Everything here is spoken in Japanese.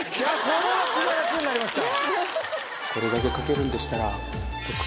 これは気が楽になりました。